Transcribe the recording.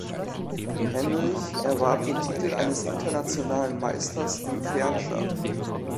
Henrich erwarb den Titel eines Internationalen Meisters im Fernschach.